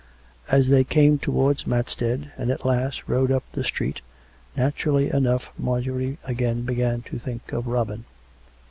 As they came towards Mats bead, and, at last, rode up the street, naturally enough Marjorie again began to think of Robin.